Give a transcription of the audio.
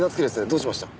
どうしました？